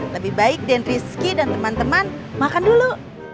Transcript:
lebih baik dan rizky dan teman teman makan dulu